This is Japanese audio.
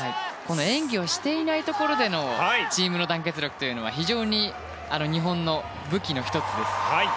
演技をしていないところでのチームの団結力は非常に日本の武器の１つです。